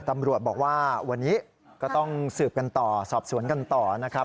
ตำรวจบอกว่าวันนี้ก็ต้องสืบกันต่อสอบสวนกันต่อนะครับ